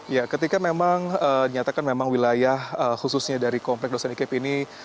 ya ketika memang dinyatakan memang wilayah khususnya dari komplek dosen ikib ini